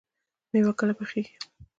مېوه کله پخیږي؟